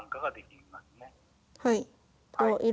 はい。